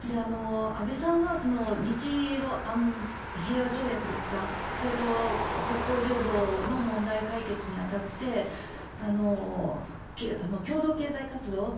安倍さんは日ロ平和条約ですかそれと北方領土の問題解決に当たって共同経済活動